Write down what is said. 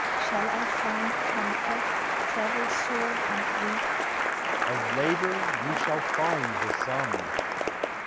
Shall T find comfort, travel sore and weak? Of labor you shall find the sum.